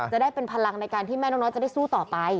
จะได้เป็นพลังในการที่แม่นกน้อยจะได้สู้ต่อไป